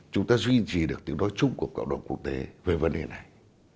chúng ta duy trì được tiếng nói chung của cộng đồng quốc tế về vấn đề này